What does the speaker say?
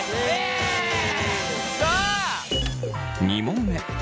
２問目。